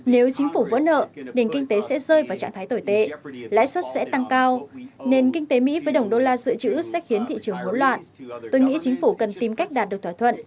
nếu chính phủ vỡ nợ nền kinh tế sẽ rơi vào trạng thái tồi tệ lãi suất sẽ tăng cao nền kinh tế mỹ với đồng đô la dự trữ sẽ khiến thị trường hỗn loạn tôi nghĩ chính phủ cần tìm cách đạt được thỏa thuận